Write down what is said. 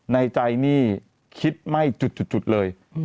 ในใจนี่คิดไม่จุดเลย